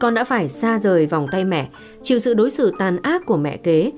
con đã phải xa rời vòng tay mẹ chịu sự đối xử tàn ác của mẹ kế